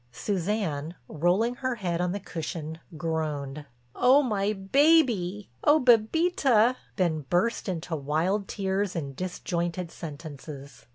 Suzanne rolling her head on the cushion, groaned: "Oh, my baby! Oh, Bébita!" Then burst into wild tears and disjointed sentences.